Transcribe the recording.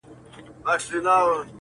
ه تا خو تل تر تله په خپگان کي غواړم